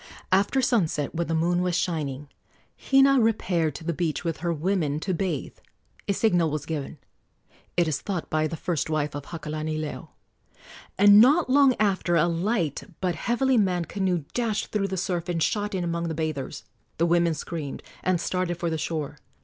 After sunset, when the moon was shining, Hina repaired to the beach with her women to bathe. A signal was given it is thought by the first wife of Hakalanileo and not long after a light but heavily manned canoe dashed through the surf and shot in among the bathers. The women screamed and started for the shore.